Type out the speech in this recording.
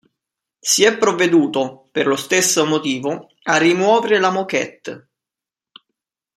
Si è provveduto, per lo stesso motivo, a rimuovere la moquette.